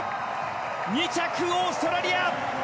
２着、オーストラリア。